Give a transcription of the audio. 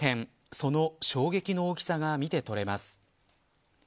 その衝撃の大きさが見て取れます。